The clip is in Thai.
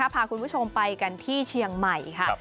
พาคุณผู้ชมไปกันที่เชียงใหม่ค่ะ